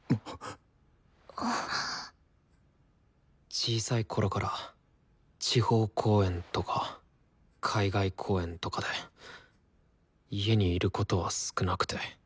小さいころから地方公演とか海外公演とかで家にいることは少なくて。